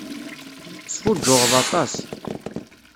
Tesfuǧǧuɣeḍ aṭas.